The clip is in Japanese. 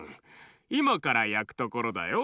いまからやくところだよ。